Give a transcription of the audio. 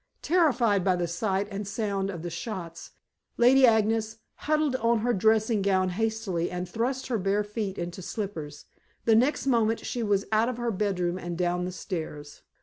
Terrified by the sight and the sound of the shots, Lady Agnes huddled on her dressing gown hastily, and thrust her bare feet into slippers. The next moment she was out of her bedroom and down the stairs.